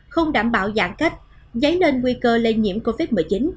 không đảm bảo giãn cách giấy lên nguy cơ lây nhiễm covid một mươi chín